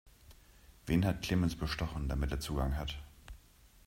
Wen hat Clemens bestochen, damit er Zugang hat?